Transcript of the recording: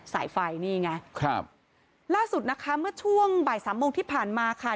สายไฟนี่ไงครับล่าสุดนะคะเมื่อช่วงบ่ายสามโมงที่ผ่านมาค่ะ